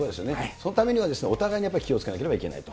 そのためには、お互いにやっぱり気をつけなければいけないと。